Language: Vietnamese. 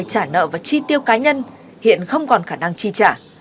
trả nợ và chi tiêu cá nhân hiện không còn khả năng chi trả